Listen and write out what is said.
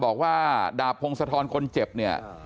บอกว่าดาบพงศธรคนเจ็บเนี่ย